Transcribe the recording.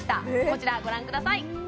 こちらご覧ください